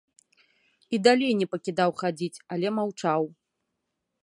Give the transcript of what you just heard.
І далей не пакідаў хадзіць, але маўчаў.